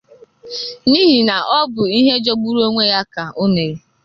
n'ihi na ọ bụ ihe jọgburu onwe ya ka o mere